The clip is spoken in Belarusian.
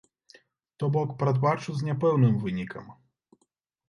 То бок, прадбачу з няпэўным вынікам.